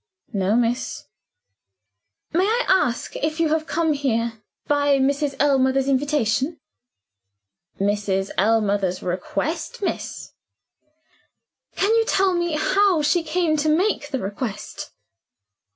"No, miss." "May I ask if you have come here by Mrs. Ellmother's invitation?" "By Mrs. Ellmother's request, miss." "Can you tell me how she came to make the request?"